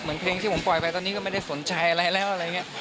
เพลงที่ผมปล่อยไปตอนนี้ก็ไม่ได้สนใจอะไรแล้วอะไรอย่างนี้